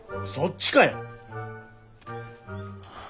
そっちかよ。